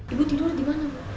ibu tidur di mana